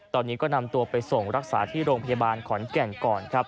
ตอนนี้ก็นำตัวไปส่งรักษาที่โรงพยาบาลขอนแก่นก่อนครับ